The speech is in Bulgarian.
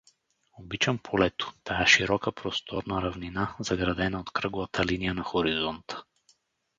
Обичам полето, тая широка, просторна равнина, заградена от кръглата линия на хоризонта.